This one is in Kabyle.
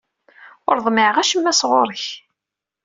Ur ḍmiɛeɣ acemma sɣur-k.